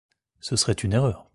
Ce serait une erreur.